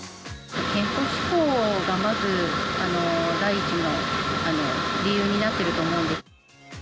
健康志向がまず、第一の理由になっていると思うんで。